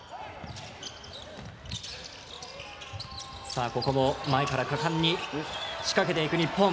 さあ、ここも前から果敢に仕掛けていく日本。